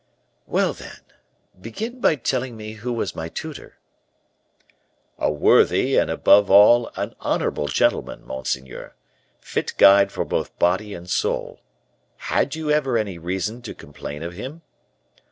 "Well, then, begin by telling me who was my tutor." "A worthy and, above all, an honorable gentleman, monseigneur; fit guide for both body and soul. Had you ever any reason to complain of him?"